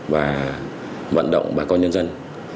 và vận động bà con nhân dân